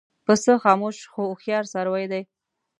پسه خاموش خو هوښیار څاروی دی.